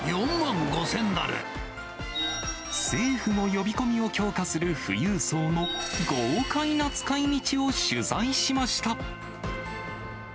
政府も呼び込みを強化する富裕層の豪快な使いみちを取材しました。